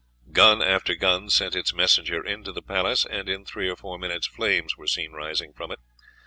Gun after gun sent its messenger into the palace, and in three or four minutes flames were seen rising from it.